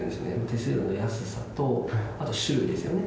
手数料の安さと、あと種類ですね。